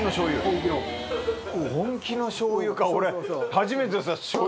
本気のしょうゆか俺。